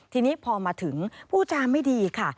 ทีนี้พอมาถึงผู้จาไม่ดีค่ะ